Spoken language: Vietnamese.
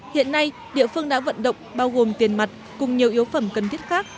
hiện nay địa phương đã vận động bao gồm tiền mặt cùng nhiều yếu phẩm cần thiết khác